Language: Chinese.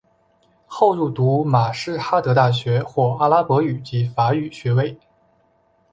后入读马什哈德大学获阿拉伯语及法语学位。